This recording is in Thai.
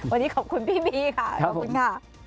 วันนี้ขอบคุณพี่บีค่ะขอบคุณค่ะ